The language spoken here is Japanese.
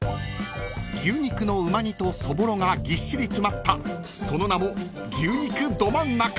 ［牛肉のうま煮とそぼろがぎっしり詰まったその名も］